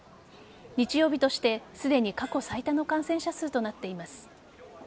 日曜日としてすでに過去最多の感染者数となっています。